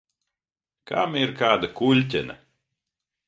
Kam ir kāda kuļķene?